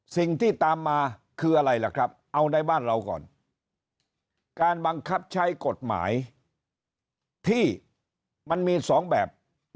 สิ่งที่ตามมาคืออะไรล่ะครับเอาในบ้านเราก่อนการบังคับใช้กฎหมายที่มันมี๒แบบ